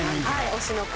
『推しの子』